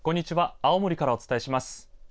青森からお伝えします。